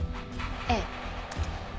ええ。